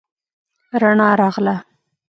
رڼا راغله.